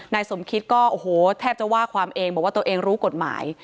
สมคิดก็โอ้โหแทบจะว่าความเองบอกว่าตัวเองรู้กฎหมาย